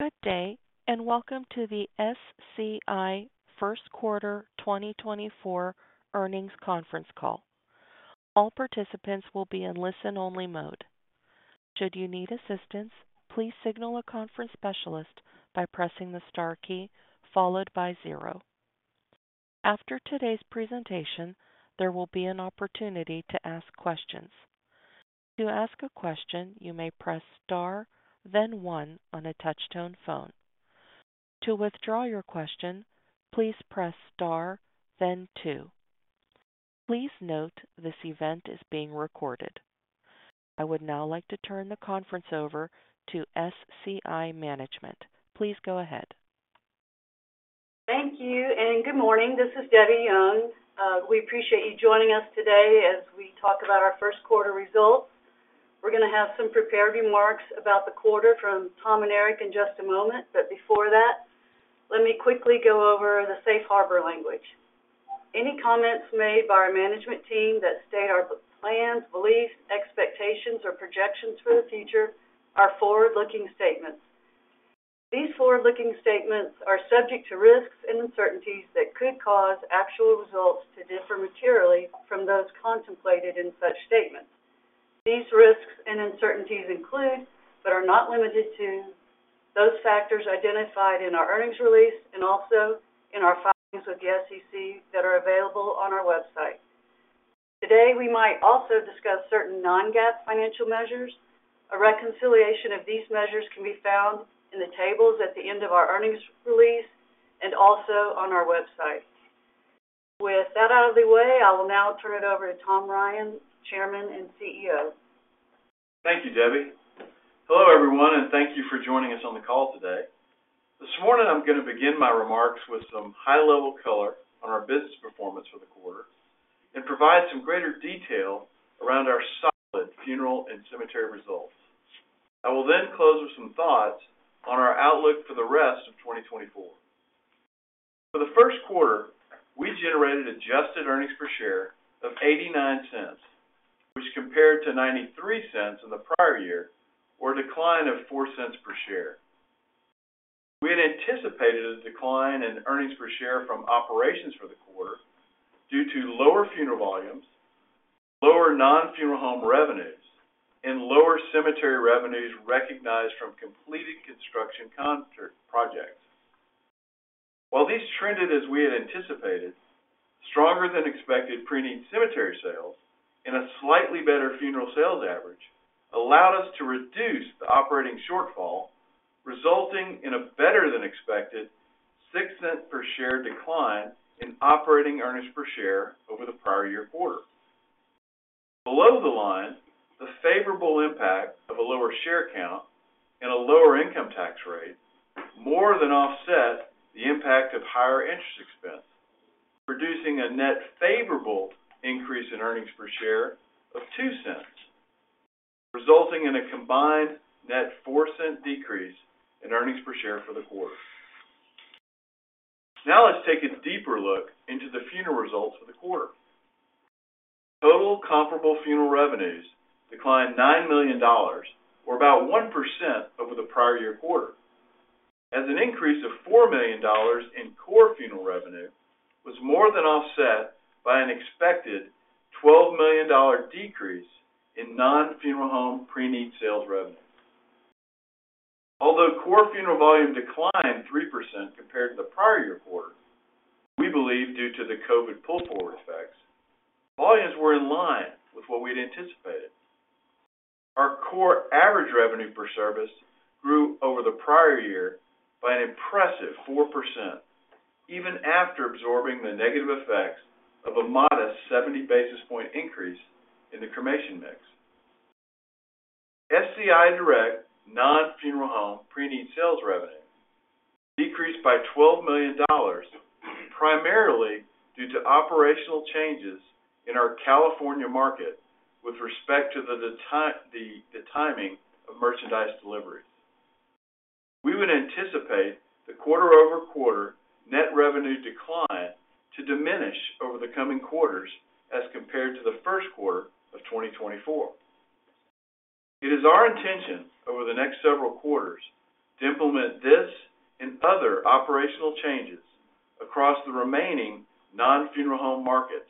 Good day, and welcome to the SCI First Quarter 2024 Earnings Conference Call. All participants will be in listen-only mode. Should you need assistance, please signal a conference specialist by pressing the star key followed by zero. After today's presentation, there will be an opportunity to ask questions. To ask a question, you may press Star, then one on a touch-tone phone. To withdraw your question, please press Star, then two. Please note this event is being recorded. I would now like to turn the conference over to SCI Management. Please go ahead. Thank you, and good morning. This is Debbie Young. We appreciate you joining us today as we talk about our first quarter results. We're gonna have some prepared remarks about the quarter from Tom and Eric in just a moment. But before that, let me quickly go over the Safe Harbor language. Any comments made by our management team that state our plans, beliefs, expectations, or projections for the future are forward-looking statements. These forward-looking statements are subject to risks and uncertainties that could cause actual results to differ materially from those contemplated in such statements. These risks and uncertainties include, but are not limited to, those factors identified in our earnings release and also in our filings with the SEC that are available on our website. Today, we might also discuss certain non-GAAP financial measures. A reconciliation of these measures can be found in the tables at the end of our earnings release and also on our website. With that out of the way, I will now turn it over to Tom Ryan, Chairman and CEO. Thank you, Debbie. Hello, everyone, and thank you for joining us on the call today. This morning, I'm gonna begin my remarks with some high-level color on our business performance for the quarter and provide some greater detail around our solid funeral and cemetery results. I will then close with some thoughts on our outlook for the rest of 2024. For the first quarter, we generated adjusted earnings per share of $0.89, which compared to $0.93 in the prior year, or a decline of $0.04 per share. We had anticipated a decline in earnings per share from operations for the quarter due to lower funeral volumes, lower non-funeral home revenues, and lower cemetery revenues recognized from completed construction contracts projects. While these trended as we had anticipated, stronger than expected preneed cemetery sales and a slightly better funeral sales average allowed us to reduce the operating shortfall, resulting in a better than expected $0.06 per share decline in operating earnings per share over the prior year quarter. Below the line, the favorable impact of a lower share count and a lower income tax rate more than offset the impact of higher interest expense, producing a net favorable increase in earnings per share of $0.02, resulting in a combined net $0.04 decrease in earnings per share for the quarter. Now, let's take a deeper look into the funeral results for the quarter. Total comparable funeral revenues declined $9 million, or about 1% over the prior year quarter. As an increase of $4 million in core funeral revenue was more than offset by an expected $12 million decrease in non-funeral home preneed sales revenue. Although core funeral volume declined 3% compared to the prior year quarter, we believe due to the COVID pull-forward effects, volumes were in line with what we'd anticipated. Our core average revenue per service grew over the prior year by an impressive 4%, even after absorbing the negative effects of a modest 70 basis point increase in the cremation mix. SCI Direct non-funeral home preneed sales revenue decreased by $12 million, primarily due to operational changes in our California market with respect to the timing of merchandise delivery. We would anticipate the quarter-over-quarter net revenue decline to diminish over the coming quarters as compared to the first quarter of 2024. It is our intention over the next several quarters to implement this and other operational changes across the remaining non-funeral home markets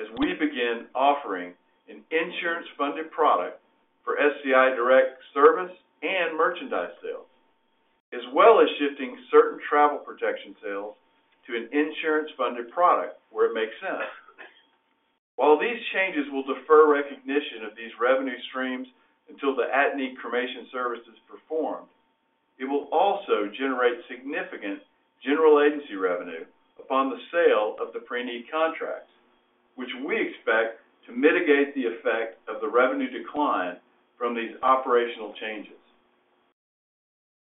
as we begin offering an insurance-funded product for SCI Direct service and merchandise sales, as well as shifting certain travel protection sales to an insurance-funded product where it makes sense. While these changes will defer recognition of these revenue streams until the at-need cremation service is performed, it will also generate significant general agency revenue upon the sale of the preneed contracts, which we expect to mitigate the effect of the revenue decline from these operational changes.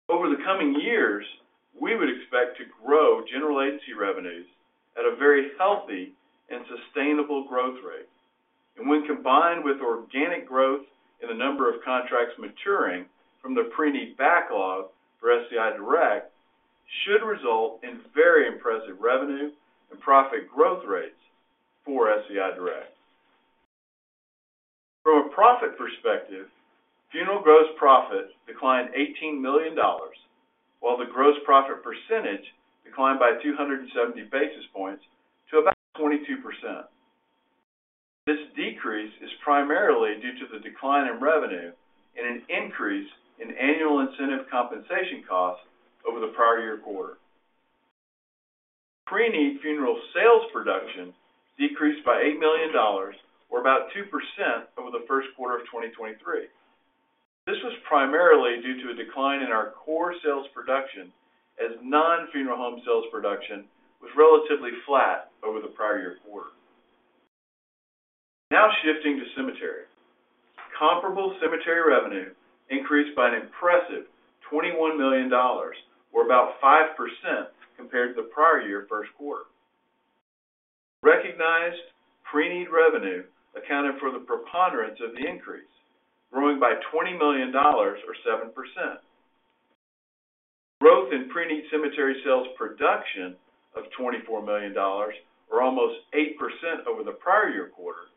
Over the coming years, we would expect to grow general agency revenues at a very healthy and sustainable growth rate, and when combined with organic growth in the number of contracts maturing from the preneed backlog for SCI Direct, should result in very impressive revenue and profit growth rates for SCI Direct. From a profit perspective, funeral gross profit declined $18 million, while the gross profit percentage declined by 270 basis points to about 22%. This decrease is primarily due to the decline in revenue and an increase in annual incentive compensation costs over the prior year quarter. Preneed funeral sales production decreased by $8 million, or about 2% over the first quarter of 2023. This was primarily due to a decline in our core sales production, as non-funeral home sales production was relatively flat over the prior year quarter. Now, shifting to cemetery. Comparable cemetery revenue increased by an impressive $21 million or about 5% compared to the prior year first quarter. Recognized preneed revenue accounted for the preponderance of the increase, growing by $20 million or 7%. Growth in preneed cemetery sales production of $24 million or almost 8% over the prior year quarter,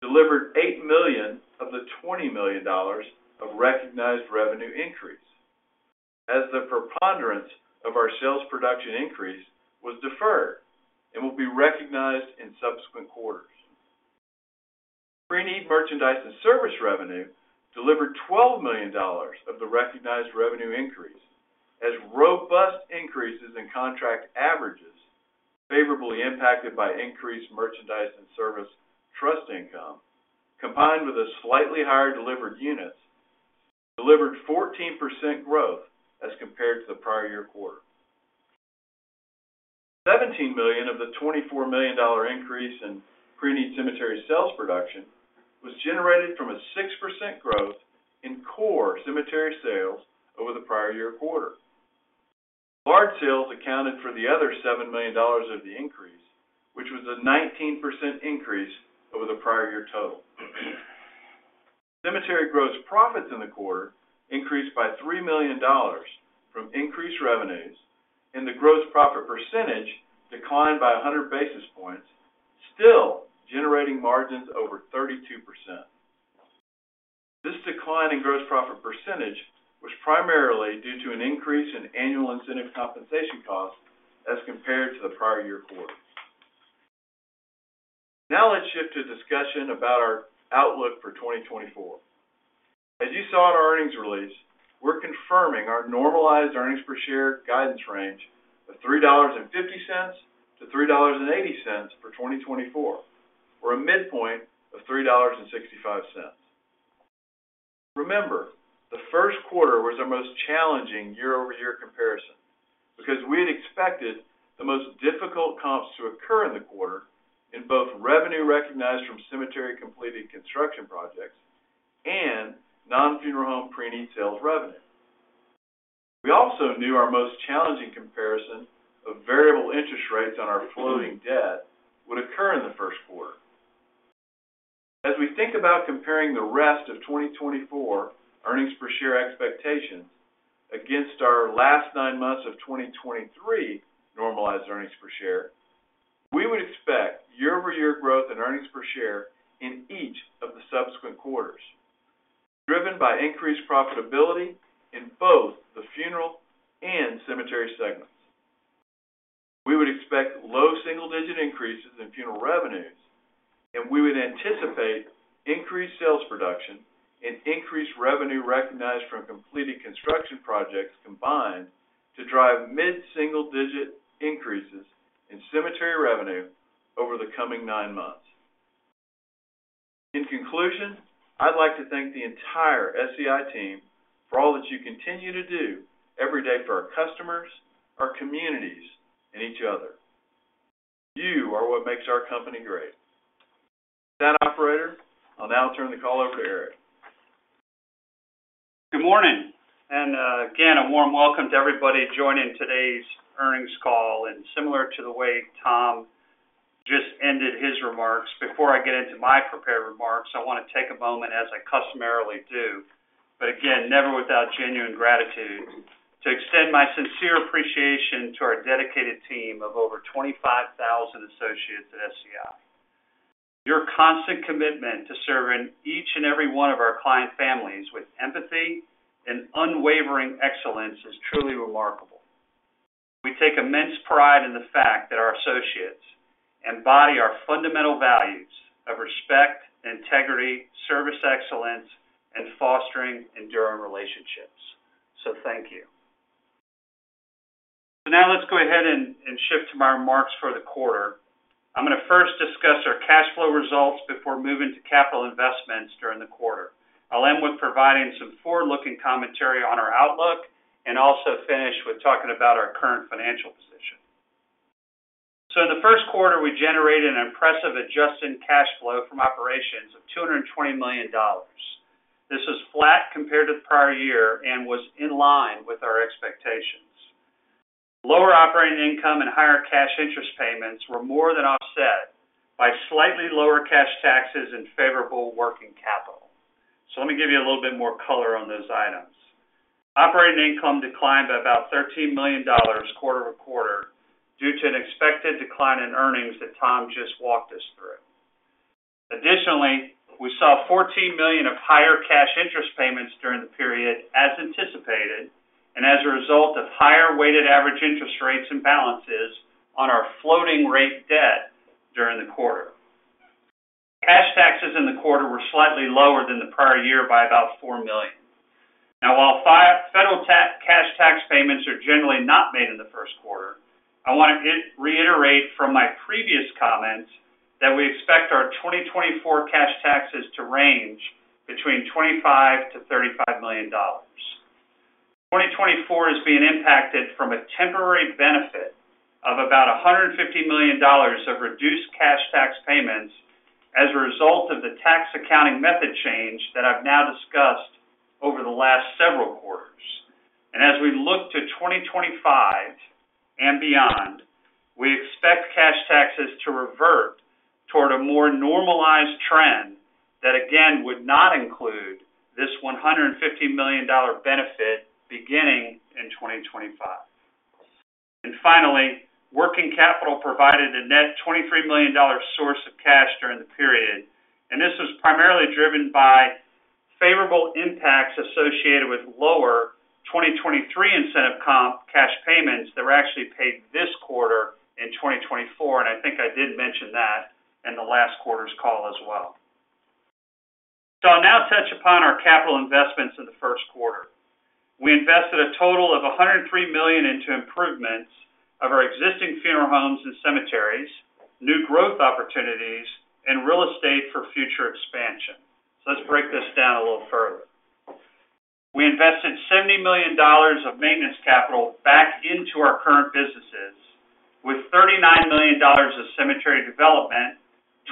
delivered $8 million of the $20 million of recognized revenue increase, as the preponderance of our sales production increase was deferred and will be recognized in subsequent quarters. Preneed merchandise and service revenue delivered $12 million of the recognized revenue increase, as robust increases in contract averages favorably impacted by increased merchandise and service trust income, combined with a slightly higher delivered units, delivered 14% growth as compared to the prior year quarter. $17 million of the $24 million increase in preneed cemetery sales production was generated from a 6% growth in core cemetery sales over the prior year quarter. Large sales accounted for the other $7 million of the increase, which was a 19% increase over the prior year total. Cemetery gross profits in the quarter increased by $3 million from increased revenues, and the gross profit percentage declined by 100 basis points, still generating margins over 32%. This decline in gross profit percentage was primarily due to an increase in annual incentive compensation costs as compared to the prior year quarter. Now, let's shift to discussion about our outlook for 2024. As you saw in our earnings release, we're confirming our normalized earnings per share guidance range of $3.50-$3.80 for 2024, or a midpoint of $3.65. Remember, the first quarter was our most challenging year-over-year comparison, because we had expected the most difficult comps to occur in the quarter in both revenue recognized from cemetery-completed construction projects and non-funeral home preneed sales revenue. We also knew our most challenging comparison of variable interest rates on our floating debt would occur in the first quarter. As we think about comparing the rest of 2024 earnings per share expectations against our last nine months of 2023 normalized earnings per share, we would expect year-over-year growth in earnings per share in each of the subsequent quarters, driven by increased profitability in both the funeral and cemetery segments. We would expect low single-digit increases in funeral revenues, and we would anticipate increased sales production and increased revenue recognized from completed construction projects combined to drive mid-single-digit increases in cemetery revenue over the coming nine months. In conclusion, I'd like to thank the entire SCI team for all that you continue to do every day for our customers, our communities, and each other. You are what makes our company great. With that, operator, I'll now turn the call over to Eric. Good morning, and again, a warm welcome to everybody joining today's earnings call. Similar to the way Tom just ended his remarks, before I get into my prepared remarks, I want to take a moment as I customarily do, but again, never without genuine gratitude, to extend my sincere appreciation to our dedicated team of over 25,000 associates at SCI. Your constant commitment to serving each and every one of our client families with empathy and unwavering excellence is truly remarkable. We take immense pride in the fact that our associates embody our fundamental values of respect, integrity, service excellence, and fostering enduring relationships. So thank you. So now, let's go ahead and shift to my remarks for the quarter. I'm going to first discuss our cash flow results before moving to capital investments during the quarter. I'll end with providing some forward-looking commentary on our outlook, and also finish with talking about our current financial position. So in the first quarter, we generated an impressive adjusted cash flow from operations of $220 million. This is flat compared to the prior year and was in line with our expectations. Lower operating income and higher cash interest payments were more than offset by slightly lower cash taxes and favorable working capital. So let me give you a little bit more color on those items... Operating income declined by about $13 million quarter-over-quarter, due to an expected decline in earnings that Tom just walked us through. Additionally, we saw $14 million of higher cash interest payments during the period as anticipated, and as a result of higher weighted average interest rates and balances on our floating rate debt during the quarter. Cash taxes in the quarter were slightly lower than the prior year by about $4 million. Now, while federal cash tax payments are generally not made in the first quarter, I want to reiterate from my previous comments, that we expect our 2024 cash taxes to range between $25 million-$35 million. 2024 is being impacted from a temporary benefit of about $150 million of reduced cash tax payments as a result of the tax accounting method change that I've now discussed over the last several quarters. And as we look to 2025 and beyond, we expect cash taxes to revert toward a more normalized trend that, again, would not include this $150 million benefit beginning in 2025. And finally, working capital provided a net $23 million source of cash during the period, and this was primarily driven by favorable impacts associated with lower 2023 incentive comp cash payments that were actually paid this quarter in 2024, and I think I did mention that in the last quarter's call as well. I'll now touch upon our capital investments in the first quarter. We invested a total of $103 million into improvements of our existing funeral homes and cemeteries, new growth opportunities, and real estate for future expansion. Let's break this down a little further. We invested $70 million of maintenance capital back into our current businesses, with $39 million of cemetery development,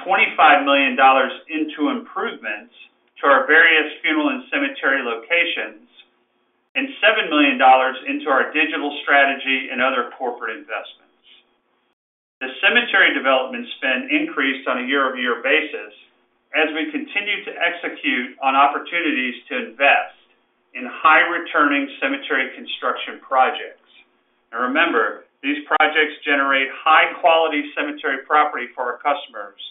$25 million into improvements to our various funeral and cemetery locations, and $7 million into our digital strategy and other corporate investments. The cemetery development spend increased on a year-over-year basis, as we continued to execute on opportunities to invest in high-returning cemetery construction projects. And remember, these projects generate high-quality cemetery property for our customers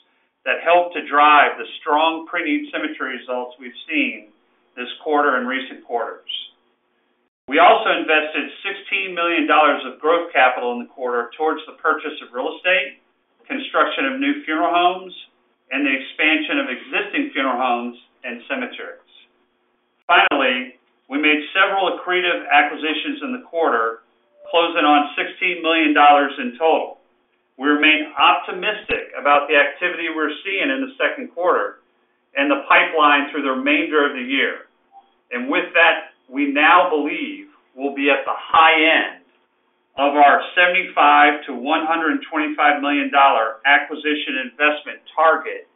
that help to drive the strong preneed cemetery results we've seen this quarter and recent quarters. We also invested $16 million of growth capital in the quarter towards the purchase of real estate, construction of new funeral homes, and the expansion of existing funeral homes and cemeteries. Finally, we made several accretive acquisitions in the quarter, closing on $16 million in total. We remain optimistic about the activity we're seeing in the second quarter and the pipeline through the remainder of the year. And with that, we now believe we'll be at the high end of our $75 million-$125 million acquisition investment target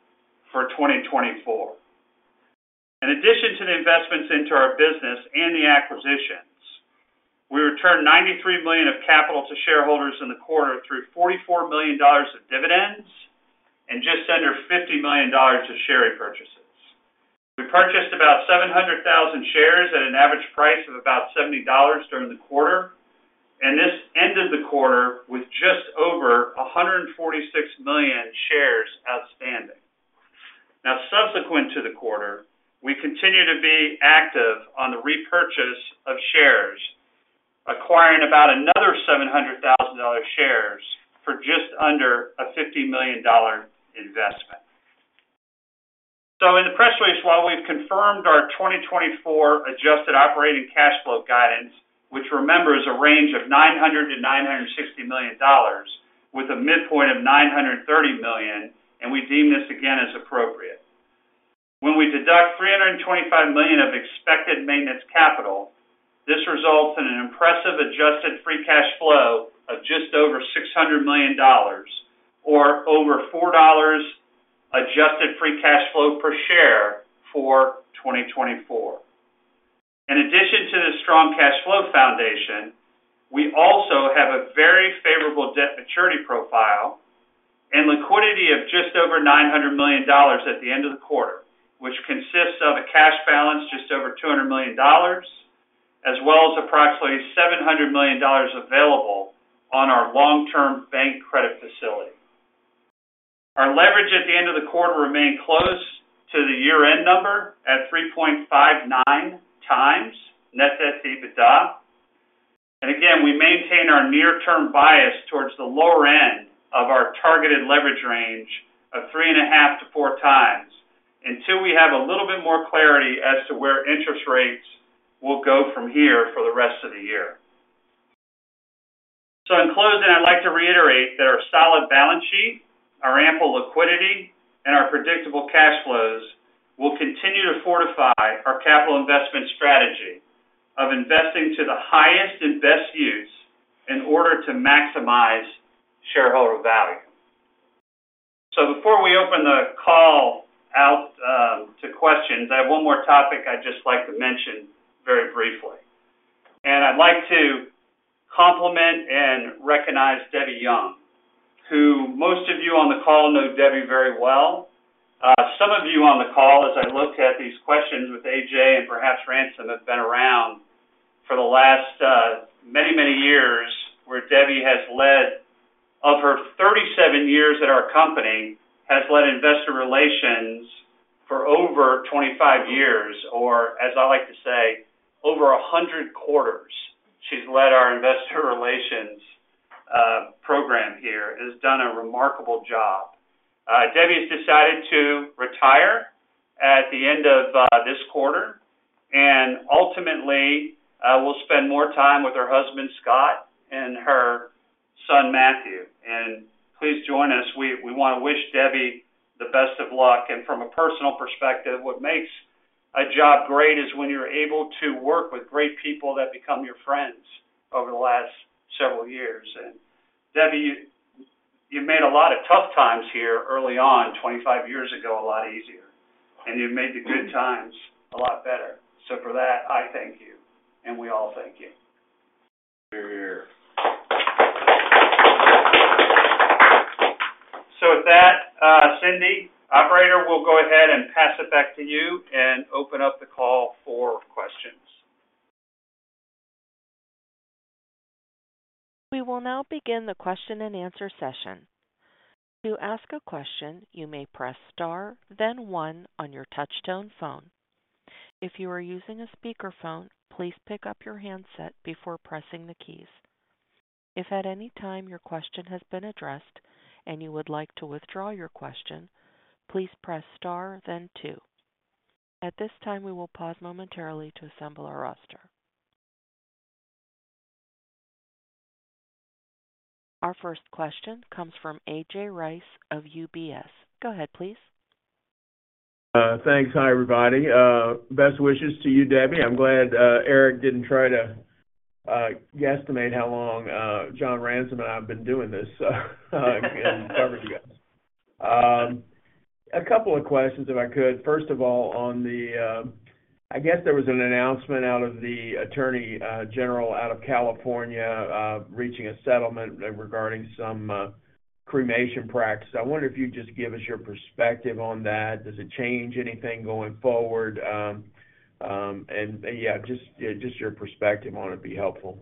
for 2024. In addition to the investments into our business and the acquisitions, we returned $93 million of capital to shareholders in the quarter through $44 million of dividends and just under $50 million of share repurchases. We purchased about 700,000 shares at an average price of about $70 during the quarter, and this ended the quarter with just over 146 million shares outstanding. Now, subsequent to the quarter, we continue to be active on the repurchase of shares, acquiring about another 700,000 shares for just under a $50 million investment. So in the press release, while we've confirmed our 2024 Adjusted Operating Cash Flow guidance, which remember, is a range of $900 million-$960 million with a midpoint of $930 million, and we deem this again as appropriate. When we deduct $325 million of expected maintenance capital, this results in an impressive adjusted free cash flow of just over $600 million or over $4 adjusted free cash flow per share for 2024. In addition to the strong cash flow foundation, we also have a very favorable debt maturity profile and liquidity of just over $900 million at the end of the quarter, which consists of a cash balance just over $200 million, as well as approximately $700 million available on our long-term bank credit facility. Our leverage at the end of the quarter remained close to the year-end number at 3.59x net debt to EBITDA. And again, we maintain our near-term bias towards the lower end of our targeted leverage range of 3.5-4 times, until we have a little bit more clarity as to where interest rates will go from here for the rest of the year. So in closing, I'd like to reiterate that our solid balance sheet, our ample liquidity, and our predictable cash flows will continue to fortify our capital investment strategy of investing to the highest and best use in order to maximize shareholder value. So before we open the call out to questions, I have one more topic I'd just like to mention very briefly. And I'd like to-... recognize Debbie Young, who most of you on the call know Debbie very well. Some of you on the call, as I look at these questions with A.J. and perhaps Ransom, have been around for the last many, many years, where Debbie has led of her 37 years at our company, has led investor relations for over 25 years, or as I like to say, over 100 quarters, she's led our investor relations program here, and has done a remarkable job. Debbie has decided to retire at the end of this quarter, and ultimately will spend more time with her husband, Scott, and her son, Matthew. Please join us. We want to wish Debbie the best of luck. From a personal perspective, what makes a job great is when you're able to work with great people that become your friends over the last several years. And, Debbie, you, you've made a lot of tough times here early on, 25 years ago, a lot easier, and you've made the good times a lot better. For that, I thank you, and we all thank you. Hear, hear. With that, Cindy, operator, we'll go ahead and pass it back to you and open up the call for questions. We will now begin the question-and-answer session. To ask a question, you may press Star, then one on your touchtone phone. If you are using a speakerphone, please pick up your handset before pressing the keys. If at any time your question has been addressed and you would like to withdraw your question, please press Star, then two. At this time, we will pause momentarily to assemble our roster. Our first question comes from A.J. Rice of UBS. Go ahead, please. Thanks. Hi, everybody. Best wishes to you, Debbie. I'm glad Eric didn't try to guesstimate how long John Ransom and I have been doing this in coverage, guys. A couple of questions, if I could. First of all, on the, I guess there was an announcement out of the attorney general out of California reaching a settlement regarding some cremation practices. I wonder if you'd just give us your perspective on that. Does it change anything going forward? And yeah, just your perspective on it would be helpful.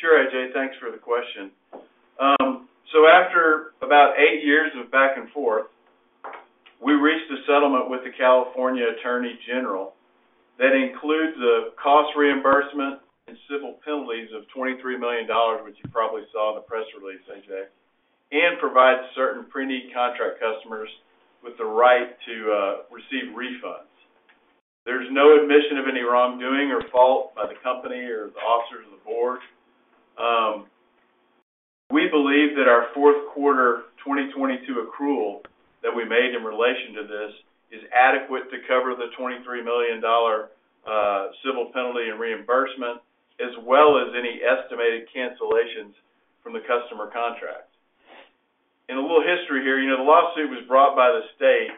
Sure, A.J. Thanks for the question. So after about eight years of back and forth, we reached a settlement with the California Attorney General that includes a cost reimbursement and civil penalties of $23 million, which you probably saw in the press release, A.J., and provides certain preneed contract customers with the right to receive refunds. There's no admission of any wrongdoing or fault by the company or the officers of the board. We believe that our fourth quarter 2022 accrual that we made in relation to this is adequate to cover the $23 million dollar civil penalty and reimbursement, as well as any estimated cancellations from the customer contracts. A little history here, you know, the lawsuit was brought by the state,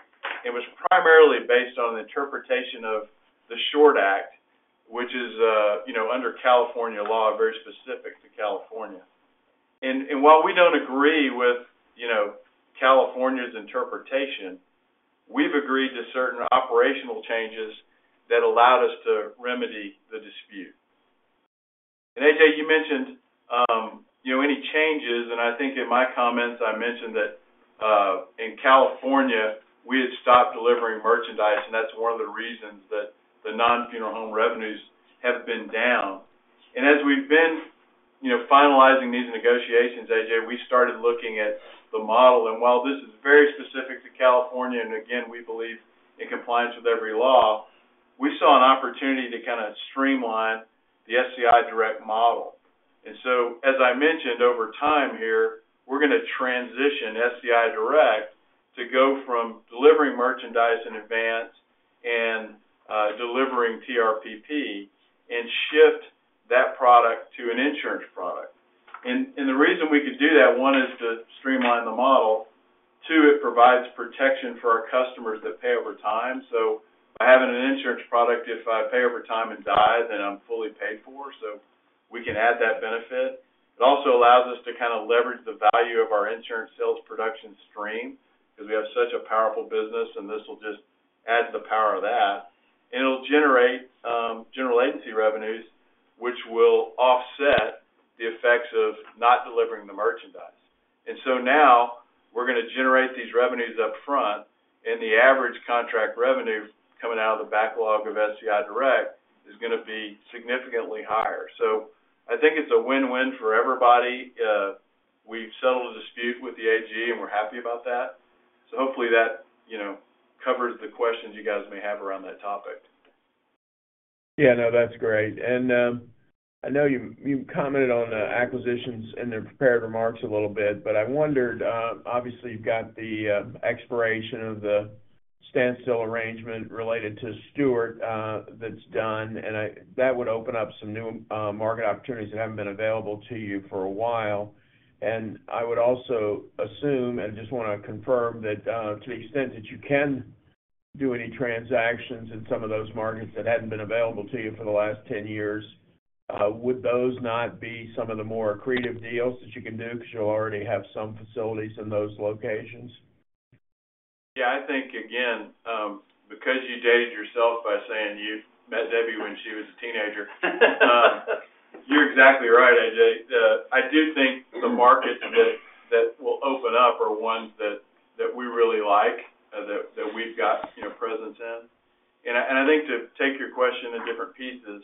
and was primarily based on the interpretation of the Short Act, which is, you know, under California law, very specific to California. And while we don't agree with, you know, California's interpretation, we've agreed to certain operational changes that allowed us to remedy the dispute. And AJ, you mentioned, you know, any changes, and I think in my comments, I mentioned that, in California, we had stopped delivering merchandise, and that's one of the reasons that the non-funeral home revenues have been down. And as we've been, you know, finalizing these negotiations, AJ, we started looking at the model. And while this is very specific to California, and again, we believe in compliance with every law, we saw an opportunity to kinda streamline the SCI Direct model. And so, as I mentioned, over time here, we're gonna transition SCI Direct to go from delivering merchandise in advance and delivering TRPP and shift that product to an insurance product. And the reason we could do that, one, is to streamline the model. Two, it provides protection for our customers that pay over time. So by having an insurance product, if I pay over time and die, then I'm fully paid for, so we can add that benefit. It also allows us to kind of leverage the value of our insurance sales production stream because we have such a powerful business, and this will just add to the power of that. And it'll generate general agency revenues, which will offset the effects of not delivering the merchandise. And so now we're gonna generate these revenues up front, and the average contract revenue coming out of the backlog of SCI Direct is gonna be significantly higher. So I think it's a win-win for everybody. We've settled a dispute with the AG, and we're happy about that. So hopefully that, you know, covers the questions you guys may have around that topic. Yeah, no, that's great. And, I know you commented on the acquisitions in the prepared remarks a little bit, but I wondered, obviously, you've got the expiration of the standstill arrangement related to Stewart, that's done, and that would open up some new market opportunities that haven't been available to you for a while. And I would also assume, and just wanna confirm, that, to the extent that you can do any transactions in some of those markets that hadn't been available to you for the last 10 years, would those not be some of the more accretive deals that you can do because you already have some facilities in those locations? Yeah, I think, again, because you dated yourself by saying you met Debbie when she was a teenager. You're exactly right, A.J. I do think the markets that will open up are ones that we really like and that we've got, you know, presence in. And I think to take your question in different pieces,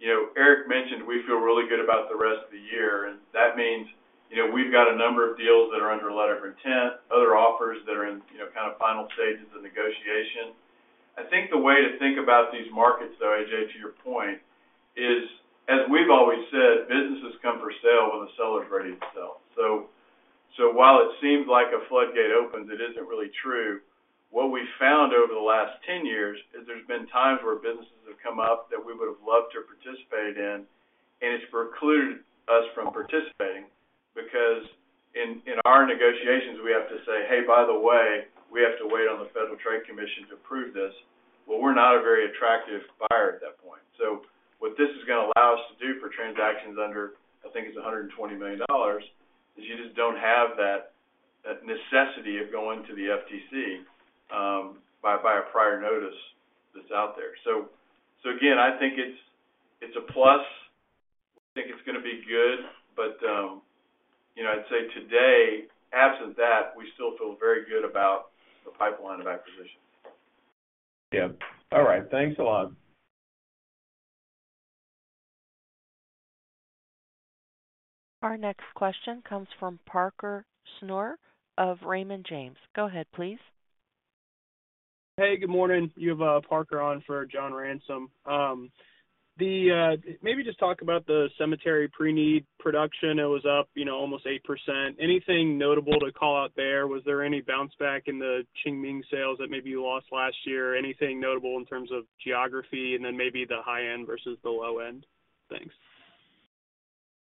you know, Eric mentioned we feel really good about the rest of the year, and that means, you know, we've got a number of deals that are under letter of intent, other offers that are in, you know, kind of final stages of negotiation. I think the way to think about these markets, though, A.J., to your point, is, as we've always said, businesses come for sale when the seller's ready to sell. So while it seems like a floodgate opens, it isn't really true. What we found over the last 10 years is there's been times where businesses have come up that we would have loved to participate in, and it's precluded us from participating because in our negotiations, we have to say, "Hey, by the way, we have to wait on the Federal Trade Commission to approve this." Well, we're not a very attractive buyer at that point. So what this is gonna allow us to do for transactions under, I think it's $120 million, is you just don't have that necessity of going to the FTC by a prior notice that's out there. So again, I think it's a plus. I think it's gonna be good, but you know, I'd say today, absent that, we still feel very good about the pipeline of acquisition. Yeah. All right. Thanks a lot. Our next question comes from Parker Snure of Raymond James. Go ahead, please. Hey, good morning. You have Parker on for John Ransom. Maybe just talk about the cemetery pre-need production. It was up, you know, almost 8%. Anything notable to call out there? Was there any bounce back in the Qingming sales that maybe you lost last year? Anything notable in terms of geography and then maybe the high end versus the low end? Thanks.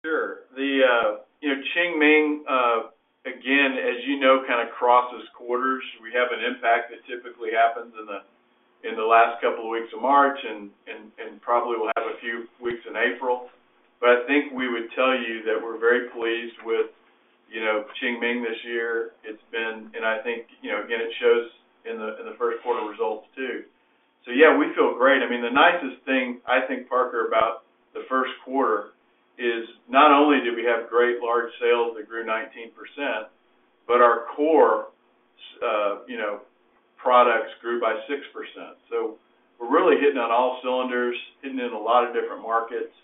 Sure. The, you know, Qingming, again, as you know, kind of crosses quarters. We have an impact that typically happens in the last couple of weeks of March and probably will have a few weeks in April. But I think we would tell you that we're very pleased with, you know, Qingming this year. It's been and I think, you know, again, it shows in the first quarter results, too. So, yeah, we feel great. I mean, the nicest thing, I think, Parker, about the first quarter is not only did we have great large sales that grew 19%, but our core, you know, products grew by 6%. So we're really hitting on all cylinders, hitting in a lot of different markets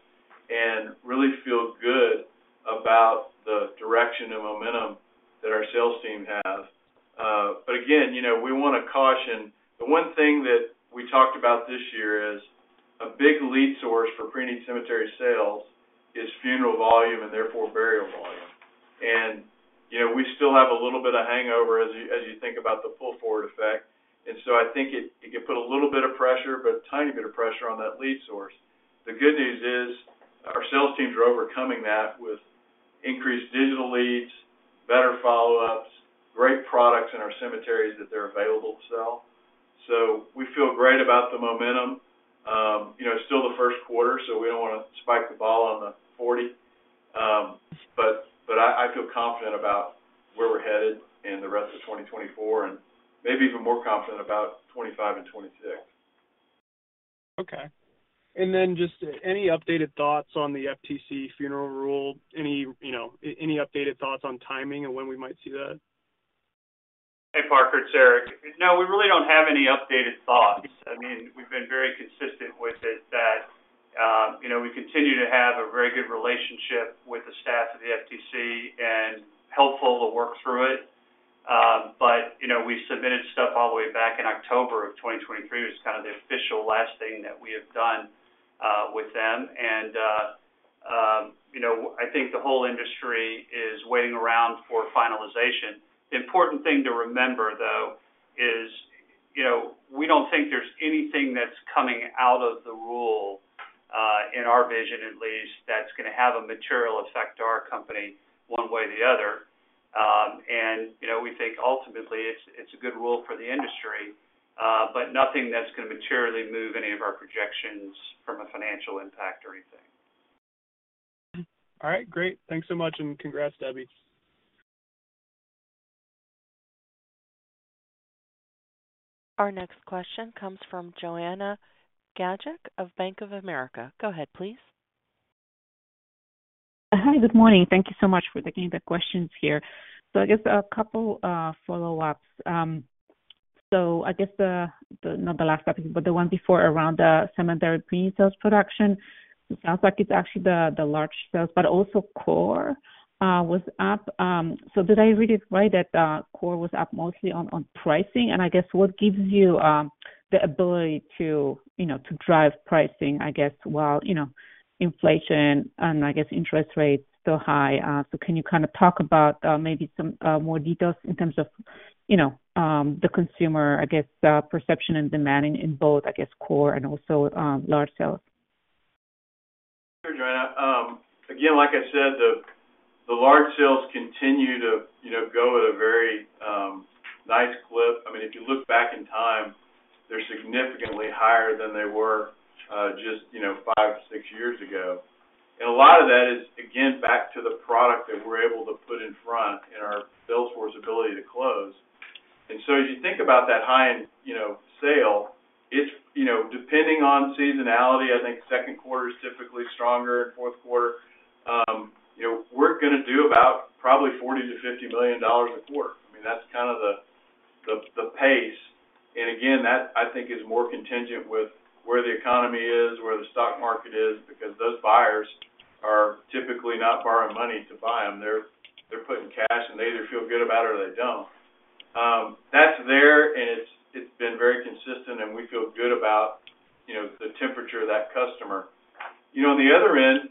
and really feel good about the direction and momentum that our sales team has. But again, you know, we want to caution. The one thing that we talked about this year is a big lead source for preneed cemetery sales is funeral volume and therefore burial volume. And, you know, we still have a little bit of hangover as you, as you think about the pull-forward effect. And so I think it, it can put a little bit of pressure, but a tiny bit of pressure on that lead source. The good news is, our sales teams are overcoming that with increased digital leads, better follow-ups, great products in our cemeteries that they're available to sell. So we feel great about the momentum. You know, it's still the first quarter, so we don't want to spike the ball on the forty. But I feel confident about where we're headed in the rest of 2024 and maybe even more confident about 2025 and 2026. Okay. And then just any updated thoughts on the FTC funeral rule? Any, you know, any updated thoughts on timing and when we might see that? Hey, Parker, it's Eric. No, we really don't have any updated thoughts. I mean, we've been very consistent with it, that you know, we continue to have a very good relationship with the staff of the FTC and helpful to work through it. But you know, we submitted stuff all the way back in October of 2023. It was kind of the official last thing that we have done with them. And you know, I think the whole industry is waiting around for finalization. The important thing to remember, though, is you know, we don't think there's anything that's coming out of the rule in our vision, at least, that's gonna have a material effect to our company one way or the other. And, you know, we think ultimately it's a good rule for the industry, but nothing that's gonna materially move any of our projections from a financial impact or anything. All right, great. Thanks so much, and congrats, Debbie. Our next question comes from Joanna Gajuk of Bank of America. Go ahead, please. Hi, good morning. Thank you so much for taking the questions here. So I guess a couple follow-ups. So I guess the—not the last topic, but the one before, around the cemetery pre-sales production, it sounds like it's actually the large sales, but also core was up. So did I read it right, that core was up mostly on pricing? And I guess what gives you the ability to, you know, to drive pricing, I guess, while, you know, inflation and I guess interest rates still high? So can you kind of talk about maybe some more details in terms of, you know, the consumer, I guess, perception and demand in both, I guess, core and also large sales?... again, like I said, the large sales continue to, you know, go at a very nice clip. I mean, if you look back in time, they're significantly higher than they were just, you know, five, six years ago. And a lot of that is, again, back to the product that we're able to put in front and our sales force ability to close. And so as you think about that high-end, you know, sale, it's, you know, depending on seasonality, I think second quarter is typically stronger, and fourth quarter. You know, we're gonna do about probably $40 million-$50 million a quarter. I mean, that's kind of the pace. And again, that, I think, is more contingent with where the economy is, where the stock market is, because those buyers are typically not borrowing money to buy them. They're putting cash, and they either feel good about it or they don't. That's there, and it's been very consistent, and we feel good about, you know, the temperature of that customer. You know, on the other end,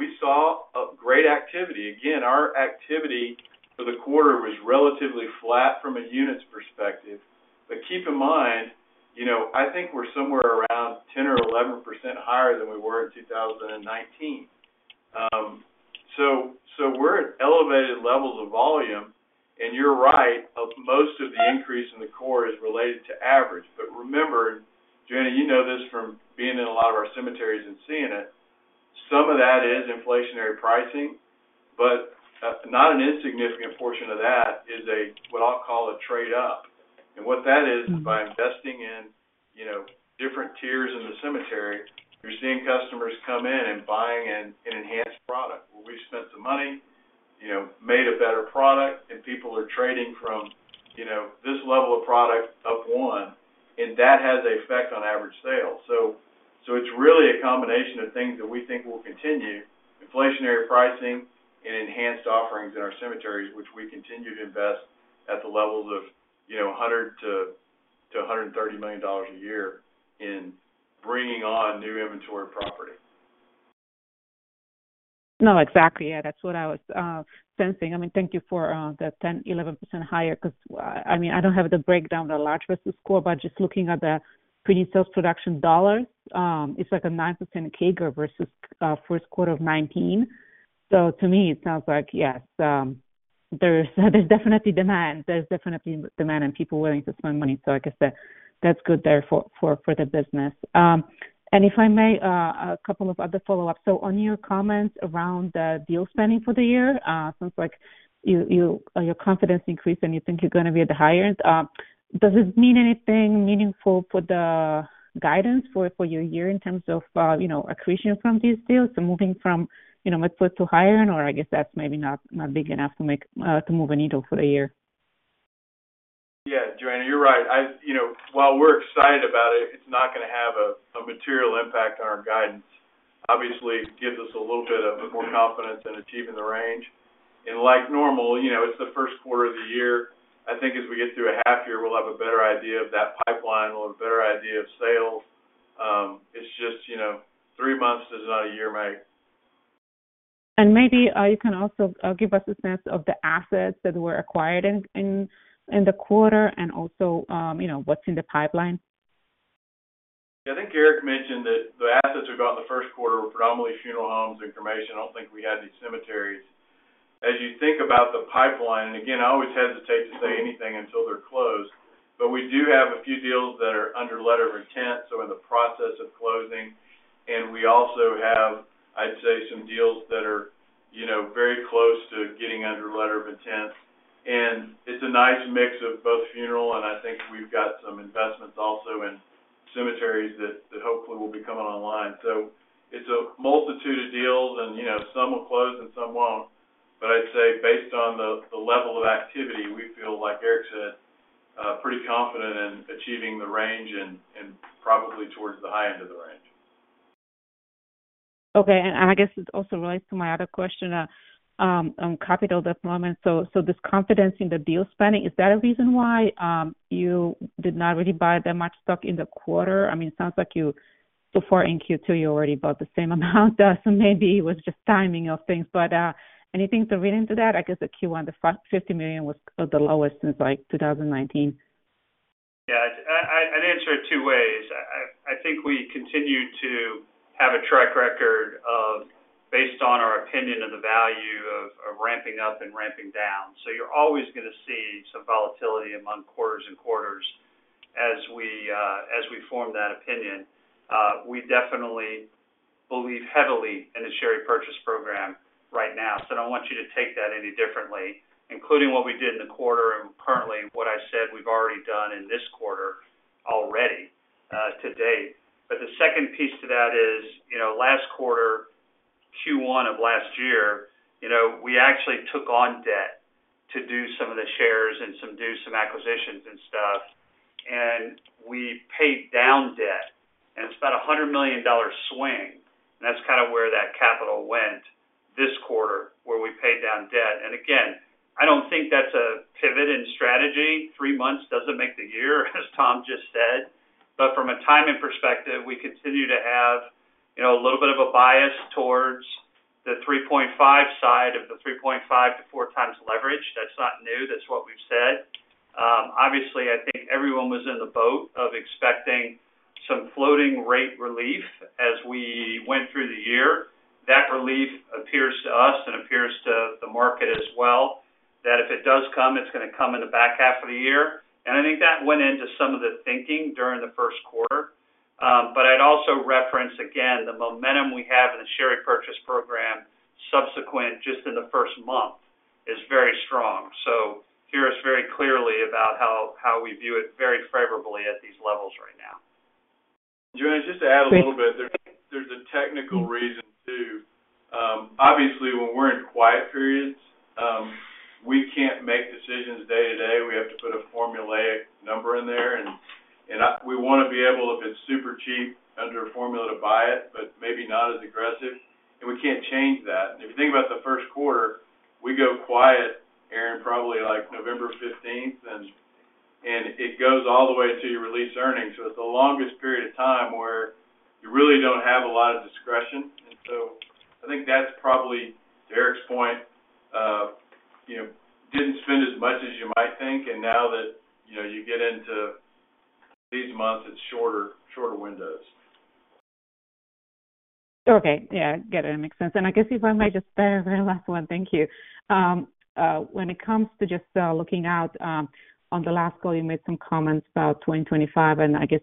we saw a great activity. Again, our activity for the quarter was relatively flat from a units perspective. But keep in mind, you know, I think we're somewhere around 10% or 11% higher than we were in 2019. So, we're at elevated levels of volume, and you're right, most of the increase in the core is related to average. But remember, Joanna, you know this from being in a lot of our cemeteries and seeing it, some of that is inflationary pricing, but not an insignificant portion of that is a, what I'll call a trade-up. What that is, by investing in, you know, different tiers in the cemetery, you're seeing customers come in and buying an, an enhanced product, where we spent some money, you know, made a better product, and people are trading from, you know, this level of product up one, and that has an effect on average sales. So, so it's really a combination of things that we think will continue, inflationary pricing and enhanced offerings in our cemeteries, which we continue to invest at the levels of, you know, $100 million-$130 million a year in bringing on new inventory property. No, exactly. Yeah, that's what I was sensing. I mean, thank you for the 10-11% higher, 'cause I mean, I don't have the breakdown, the large versus core, but just looking at the pre-sales production dollars, it's like a 9% CAGR versus first quarter of 2019. So to me, it sounds like, yes, there's definitely demand. There's definitely demand and people willing to spend money, so I guess that's good there for the business. And if I may, a couple of other follow-ups. So on your comments around the deal spending for the year, seems like you, your confidence increased, and you think you're gonna be at the highest. Does this mean anything meaningful for the guidance for your year in terms of, you know, accretion from these deals? Moving from, you know, midpoint to higher, or I guess that's maybe not big enough to make to move a needle for the year. Yeah, Joanna, you're right. You know, while we're excited about it, it's not gonna have a material impact on our guidance. Obviously, it gives us a little bit of more confidence in achieving the range. And like normal, you know, it's the first quarter of the year. I think as we get through a half year, we'll have a better idea of that pipeline, we'll have a better idea of sales. It's just, you know, three months is not a year made. Maybe you can also give us a sense of the assets that were acquired in the quarter and also, you know, what's in the pipeline. I think Eric mentioned that the assets we got in the first quarter were predominantly funeral homes and cremation. I don't think we had any cemeteries. As you think about the pipeline, and again, I always hesitate to say anything until they're closed, but we do have a few deals that are under letter of intent, so in the process of closing. And we also have, I'd say, some deals that are, you know, very close to getting under letter of intent. And it's a nice mix of both funeral, and I think we've got some investments also in cemeteries that hopefully will be coming online. So it's a multitude of deals, and, you know, some will close and some won't. But I'd say based on the level of activity, we feel like Eric said, pretty confident in achieving the range and probably towards the high end of the range. Okay. And I guess it also relates to my other question on capital deployment. So this confidence in the deal spending, is that a reason why you did not really buy that much stock in the quarter? I mean, it sounds like you, before in Q2, you already bought the same amount, so maybe it was just timing of things. But anything to read into that? I guess the Q1, the $50 million was the lowest since, like, 2019. Yeah, I'd answer it two ways. I think we continue to have a track record of, based on our opinion of the value of ramping up and ramping down. So you're always gonna see some volatility among quarters and quarters as we as we form that opinion. We definitely believe heavily in the share repurchase program right now, so I don't want you to take that any differently, including what we did in the quarter and currently, what I said we've already done in this quarter already to date. But the second piece to that is, you know, last quarter, Q1 of last year, you know, we actually took on debt to do some of the shares and some do some acquisitions and stuff, and we paid down debt, and it's about a $100 million swing. That's kind of where that capital went this quarter, where we paid down debt. Again, I don't think that's a pivot in strategy. Three months doesn't make the year, as Tom just said. But from a timing perspective, we continue to have, you know, a little bit of a bias towards the 3.5 side of the 3.5-4 times leverage. That's not new. That's what we've said.... Obviously, I think everyone was in the boat of expecting some floating rate relief as we went through the year. That relief appears to us and appears to the market as well, that if it does come, it's gonna come in the back half of the year. And I think that went into some of the thinking during the first quarter. But I'd also reference again, the momentum we have in the share repurchase program, subsequent just in the first month, is very strong. So hear us very clearly about how we view it very favorably at these levels right now. Joanna, just to add a little bit. There's a technical reason, too. Obviously, when we're in quiet periods, we can't make decisions day-to-day. We have to put a formulaic number in there, and we wanna be able, if it's super cheap, under a formula, to buy it, but maybe not as aggressive, and we can't change that. If you think about the first quarter, we go quiet, around, probably, like, November fifteenth, and it goes all the way until you release earnings. So it's the longest period of time where you really don't have a lot of discretion. And so I think that's probably to Eric's point, you know, didn't spend as much as you might think, and now that, you know, you get into these months, it's shorter, shorter windows. Okay. Yeah, got it. It makes sense. I guess if I might just, very last one. Thank you. When it comes to just, looking out, on the last call, you made some comments about 2025, and I guess,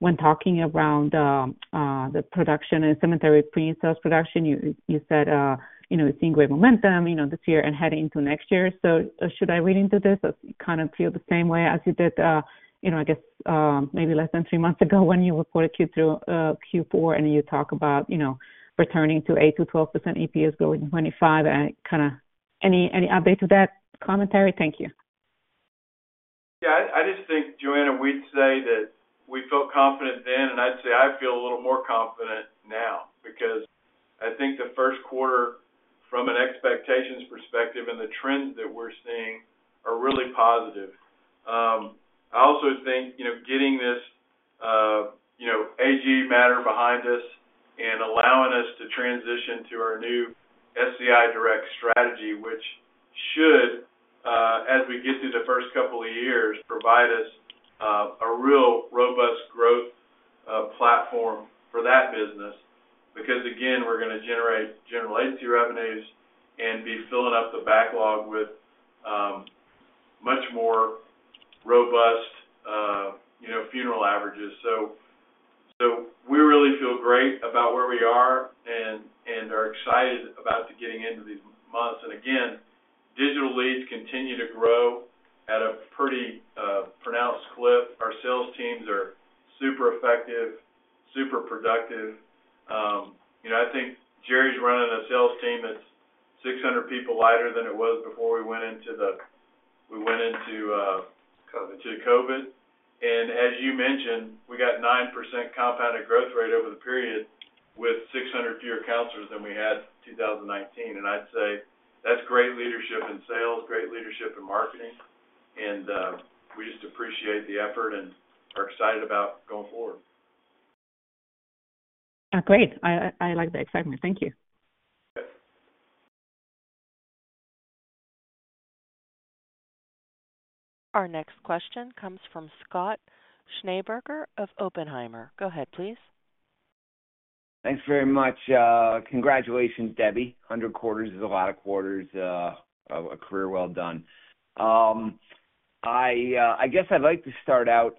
when talking about the production and cemetery preneed sales production, you said, you know, you're seeing great momentum, you know, this year and heading into next year. So should I read into this? I kind of feel the same way as you did, you know, I guess, maybe less than three months ago when you reported Q3 through Q4, and you talk about, you know, returning to 8%-12% EPS going 2025. Kind of any update to that commentary? Thank you. Yeah, I just think, Joanna, we'd say that we felt confident then, and I'd say I feel a little more confident now because I think the first quarter, from an expectations perspective and the trends that we're seeing, are really positive. I also think, you know, getting this, you know, AG matter behind us and allowing us to transition to our new SCI Direct strategy, which should, as we get through the first couple of years, provide us a real robust growth platform for that business. Because, again, we're gonna generate general agency revenues and be filling up the backlog with much more robust, you know, funeral averages. So we really feel great about where we are and are excited about getting into these months. And again, digital leads continue to grow at a pretty pronounced clip. Our sales teams are super effective, super productive. You know, I think Jerry's running a sales team that's 600 people lighter than it was before we went into. COVID. -to COVID. As you mentioned, we got 9% compounded growth rate over the period, with 600 fewer counselors than we had in 2019. I'd say that's great leadership in sales, great leadership in marketing, and we just appreciate the effort and are excited about going forward. Great. I like the excitement. Thank you. Our next question comes from Scott Schneeberger of Oppenheimer. Go ahead, please. Thanks very much. Congratulations, Debbie. 100 quarters is a lot of quarters, a career well done. I guess I'd like to start out,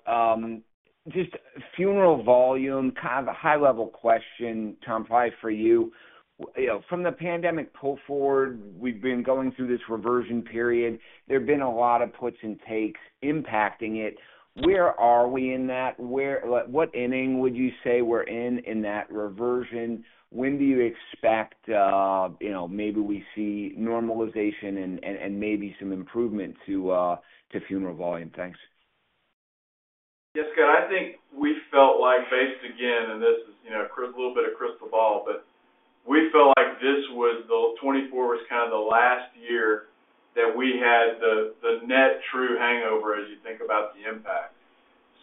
just funeral volume, kind of a high-level question, Tom, probably for you. You know, from the pandemic pull forward, we've been going through this reversion period. There have been a lot of puts and takes impacting it. Where are we in that? What inning would you say we're in, in that reversion? When do you expect, you know, maybe we see normalization and maybe some improvement to funeral volume? Thanks. Yes, Scott, I think we felt like, based, again, and this is, you know, a little bit of crystal ball, but we felt like this was the 2024 was kind of the last year that we had the, the net true hangover as you think about the impact.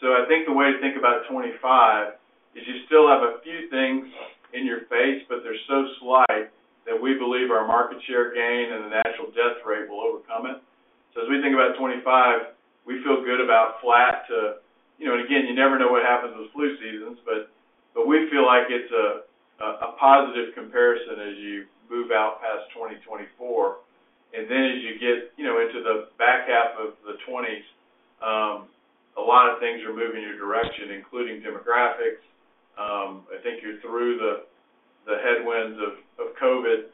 So I think the way to think about 2025, is you still have a few things in your face, but they're so slight that we believe our market share gain and the natural death rate will overcome it. So as we think about 2025, we feel good about flat to... You know, and again, you never know what happens with flu seasons, but, but we feel like it's a, a, a positive comparison as you move out past 2024. Then as you get, you know, into the back half of the twenties, a lot of things are moving your direction, including demographics. I think you're through the headwinds of COVID.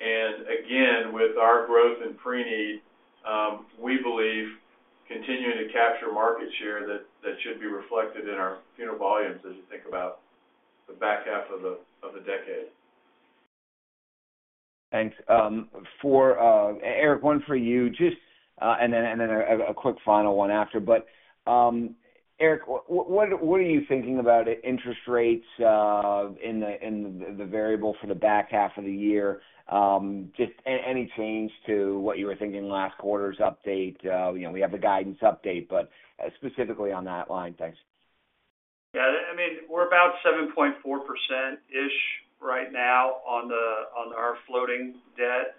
And again, with our growth in pre-need, we believe continuing to capture market share, that should be reflected in our funeral volumes as you think about the back half of the decade. Thanks. For Eric, one for you, just and then a quick final one after. But Eric, what are you thinking about interest rates in the variable for the back half of the year? Just any change to what you were thinking last quarter's update? You know, we have the guidance update, but specifically on that line. Thanks. ... Yeah, I mean, we're about 7.4%-ish right now on the, on our floating debt.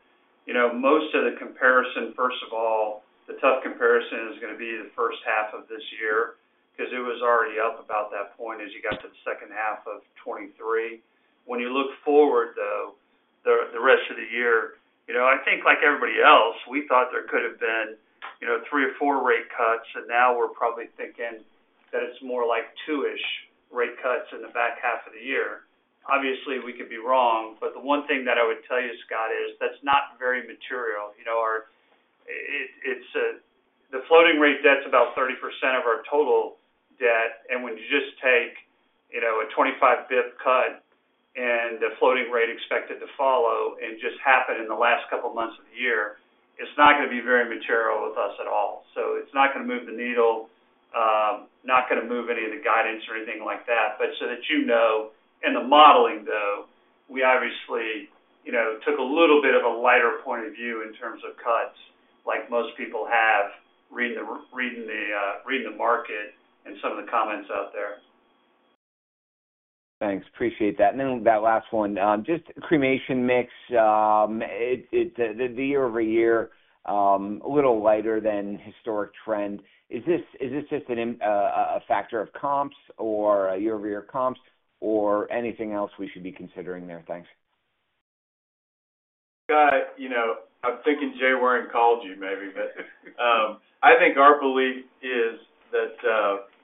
You know, most of the comparison, first of all, the tough comparison is gonna be the first half of this year, because it was already up about that point as you got to the second half of 2023. When you look forward, though, the, the rest of the year, you know, I think like everybody else, we thought there could have been, you know, 3 or 4 rate cuts, and now we're probably thinking that it's more like 2-ish rate cuts in the back half of the year. Obviously, we could be wrong, but the one thing that I would tell you, Scott, is that's not very material. You know, our floating rate debt's about 30% of our total debt, and when you just take, you know, a 25 basis point cut and the floating rate expected to follow and just happen in the last couple of months of the year, it's not gonna be very material with us at all. So it's not gonna move the needle, not gonna move any of the guidance or anything like that. But so that you know, in the modeling, though, we obviously, you know, took a little bit of a lighter point of view in terms of cuts, like most people have, reading the market and some of the comments out there. Thanks. Appreciate that. And then that last one, just cremation mix. The year-over-year, a little lighter than historic trend. Is this just a factor of comps or a year-over-year comps or anything else we should be considering there? Thanks. You know, I'm thinking Jay Waring called you maybe, but I think our belief is that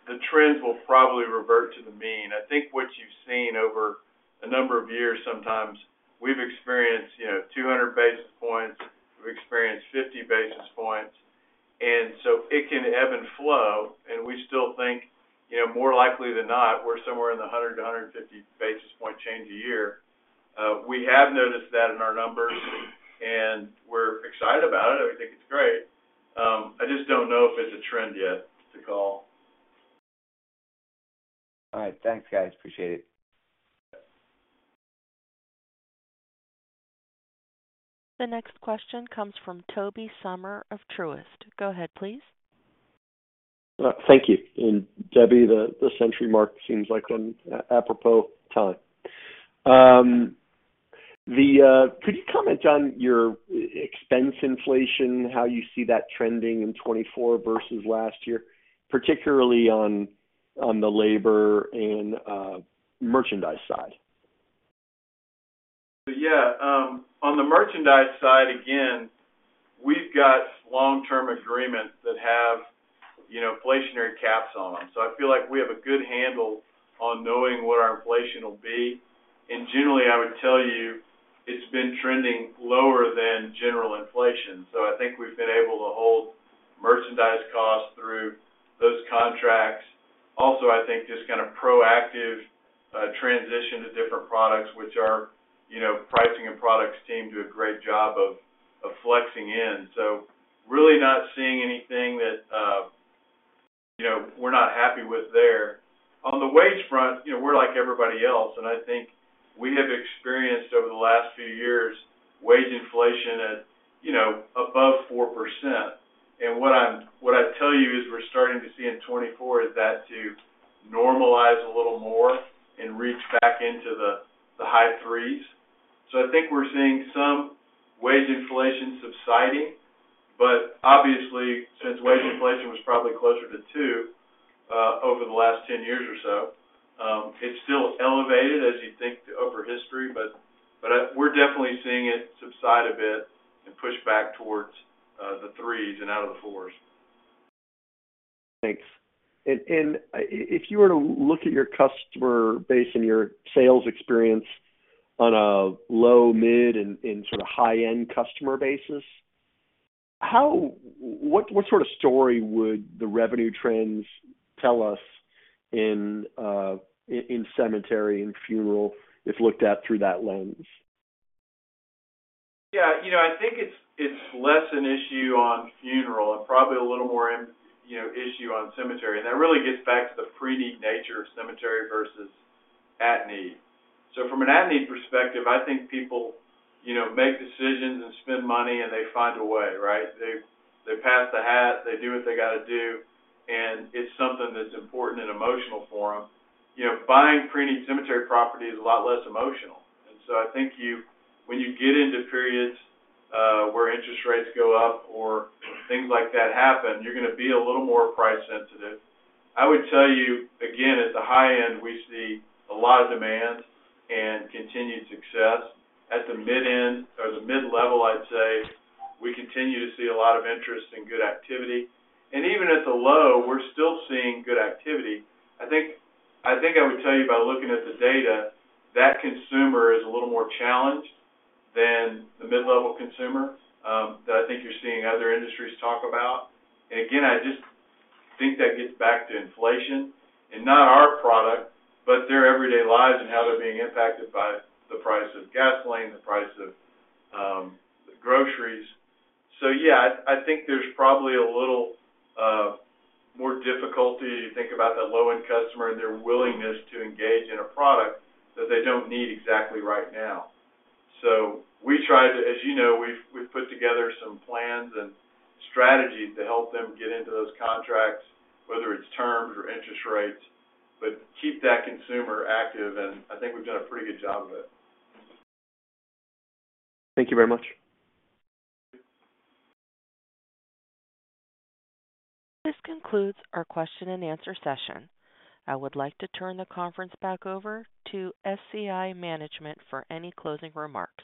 the trends will probably revert to the mean. I think what you've seen over a number of years, sometimes we've experienced, you know, 200 basis points, we've experienced 50 basis points, and so it can ebb and flow, and we still think, you know, more likely than not, we're somewhere in the 100-150 basis point change a year. We have noticed that in our numbers, and we're excited about it. I think it's great. I just don't know if it's a trend yet to call. All right. Thanks, guys. Appreciate it. The next question comes from Tobey Sommer of Truist. Go ahead, please. Thank you. And Debbie, the century mark seems like an apropos time. Could you comment on your expense inflation, how you see that trending in 2024 versus last year, particularly on the labor and merchandise side? Yeah. On the merchandise side, again, we've got long-term agreements that have, you know, inflationary caps on them. So I feel like we have a good handle on knowing what our inflation will be. And generally, I would tell you, it's been trending lower than general inflation. So I think we've been able to hold merchandise costs through those contracts. Also, I think just kind of proactive transition to different products, which our, you know, pricing and products team do a great job of, of flexing in. So really not seeing anything that, you know, we're not happy with there. On the wage front, you know, we're like everybody else, and I think we have experienced over the last few years, wage inflation at, you know, above 4%. And what I'd tell you is we're starting to see in 2024 is that to normalize a little more and reach back into the high 3s. So I think we're seeing some wage inflation subsiding, but obviously, since wage inflation was probably closer to 2 over the last 10 years or so, it's still elevated as you'd think over history, but we're definitely seeing it subside a bit and push back towards the 3s and out of the 4s. Thanks. And if you were to look at your customer base and your sales experience on a low, mid, and sort of high-end customer basis, how... What sort of story would the revenue trends tell us in cemetery and funeral, if looked at through that lens? Yeah, you know, I think it's less an issue on funeral and probably a little more, you know, issue on cemetery, and that really gets back to the pre-need nature of cemetery versus at-need. So from an at-need perspective, I think people, you know, make decisions and spend money, and they find a way, right? They pass the hat, they do what they gotta do, and it's something that's important and emotional for them. You know, buying pre-need cemetery property is a lot less emotional. And so I think you when you get into periods where interest rates go up or things like that happen, you're gonna be a little more price sensitive. I would tell you again, at the high end, we see a lot of demand and continued success. At the mid-end or the mid-level, I'd say, we continue to see a lot of interest and good activity. And even at the low, we're still seeing good activity. I think, I think I would tell you by looking at the data, that consumer is a little more challenged than the mid-level consumer, that I think you're seeing other industries talk about. And again, I just think that gets back to inflation and not our product, but their everyday lives and how they're being impacted by the price of gasoline, the price of, groceries. So yeah, I think there's probably a little more difficulty to think about that low-end customer and their willingness to engage in a product that they don't need exactly right now. So we try to, as you know, we've put together some plans and strategies to help them get into those contracts, whether it's terms or interest rates, but keep that consumer active, and I think we've done a pretty good job of it. Thank you very much. This concludes our question and answer session. I would like to turn the conference back over to SCI Management for any closing remarks.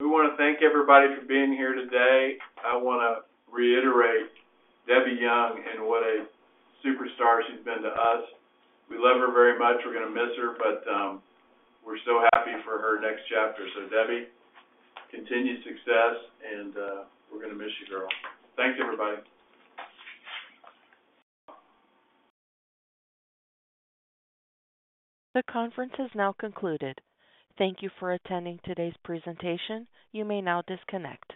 We want to thank everybody for being here today. I want to reiterate Debbie Young and what a superstar she's been to us. We love her very much. We're going to miss her, but we're so happy for her next chapter. So Debbie, continued success, and we're gonna miss you, girl. Thanks, everybody. The conference is now concluded. Thank you for attending today's presentation. You may now disconnect.